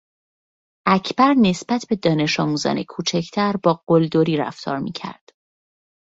اکبر نسبت به دانشآموزان کوچکتر با قلدری رفتار میکرد.